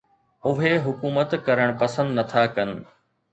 اهي حڪومت ڪرڻ پسند نٿا ڪن.